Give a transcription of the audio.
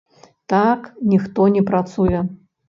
Так ніхто не працуе.